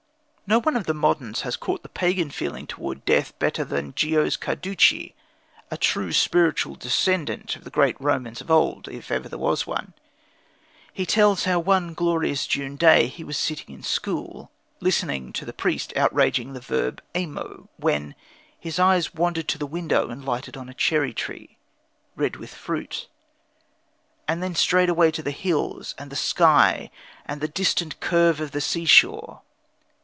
No one of the moderns has caught the pagan feeling towards death better than Giosuè Carducci, a true spiritual descendant of the great Romans of old, if ever there was one. He tells how, one glorious June day, he was sitting in school, listening to the priest outraging the verb "amo," when his eyes wandered to the window and lighted on a cherry tree, red with fruit, and then strayed away to the hills and the sky and the distant curve of the sea shore.